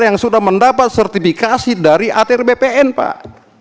yang sudah mendapat sertifikasi dari atr bpn pak